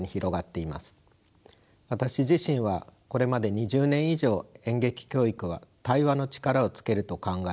私自身はこれまで２０年以上演劇教育は対話の力をつけると考え